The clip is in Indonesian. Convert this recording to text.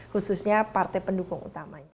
khususnya partai pendukung utamanya